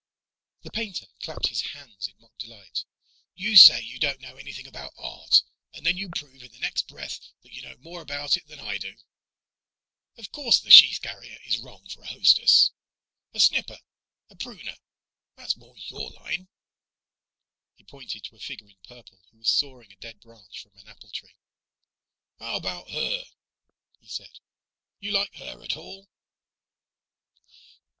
The painter clapped his hands in mock delight. "You say you don't know anything about art, and then you prove in the next breath that you know more about it than I do! Of course the sheave carrier is wrong for a hostess! A snipper, a pruner that's more your line." He pointed to a figure in purple who was sawing a dead branch from an apple tree. "How about her?" he said. "You like her at all?"